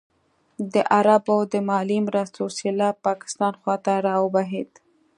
د عربو د مالي مرستو سېلاب پاکستان خوا ته راوبهېده.